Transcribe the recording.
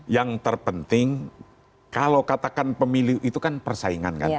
yang terpenting kalau katakan pemilu itu kan persaingan kan